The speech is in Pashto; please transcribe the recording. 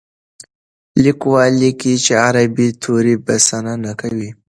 لیکوال لیکلي چې عربي توري بسنه نه کوي.